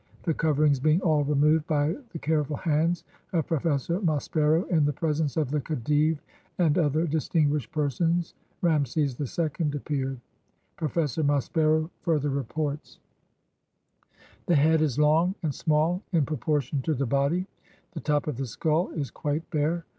The coverings being all removed by the careful hands of Professor Maspero, in the presence of the Khedive and other distinguished persons, Rameses II appeared. Professor Maspero fur ther reports: — "The head is long and small in proportion to the body. The top of the skull is quite bare.